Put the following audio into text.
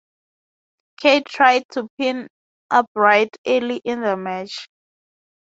Cade tried to pin Albright early in the match.